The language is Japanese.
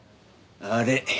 あれ？